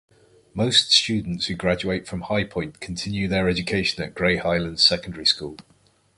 Most students who graduate from Highpoint continue their education at Grey Highlands Secondary School.